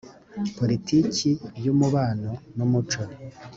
poritiki y umubano n umuco